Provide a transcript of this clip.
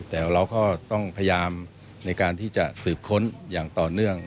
แต่เราก็ต้องพยายามในการที่จะสืบค้นอย่างต่อเนื่อง